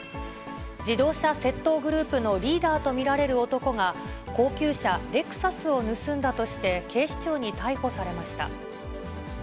自動車窃盗グループのリーダーと見られる男が、高級車、レクサスを盗んだとして、警視庁に逮捕されました。